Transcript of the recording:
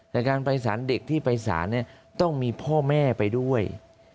แต่การไปสารเด็กที่ไปสารเนี่ยต้องมีพ่อแม่ไปด้วย